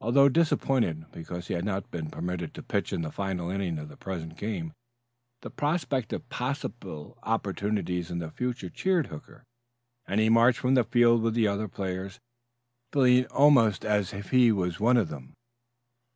Although disappointed because he had not been permitted to pitch in the final inning of the present game, the prospect of possible opportunities in the future cheered Hooker, and he marched from the field with the other players, feeling almost as if he was one of them.